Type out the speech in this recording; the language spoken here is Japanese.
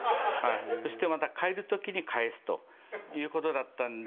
そしてまた「帰る時に返す」という事だったんで。